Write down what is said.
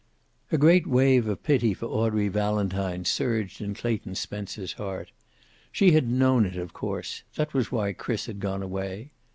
A great wave of pity for Audrey Valentine surged in Clayton Spencer's heart. She had known it, of course; that was why Chris had gone away.